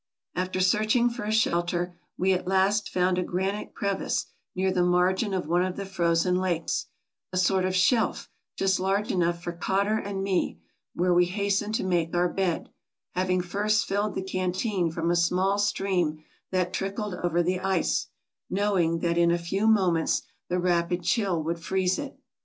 After searching for a shelter we at last found a granite crevice near the margin of one of the frozen lakes — a sort of shelf just large enough for Cotter and me — where we has tened to make our bed, having first filled the canteen from a small stream that trickled over the ice, knowing that in a few moments the rapid chill would freeze it.